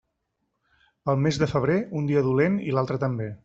Pel mes de febrer, un dia dolent i l'altre també.